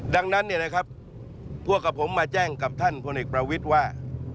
ดังนั้นพวกผมมาแจ้งกับท่านผลเอกประวิทย์ว่า